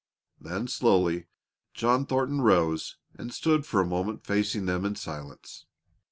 Then slowly John Thornton rose and stood for a moment facing them in silence.